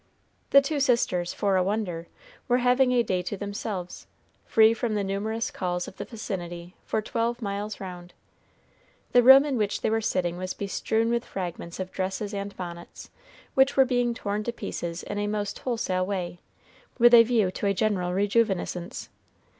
The two sisters, for a wonder, were having a day to themselves, free from the numerous calls of the vicinity for twelve miles round. The room in which they were sitting was bestrewn with fragments of dresses and bonnets, which were being torn to pieces in a most wholesale way, with a view to a general rejuvenescence.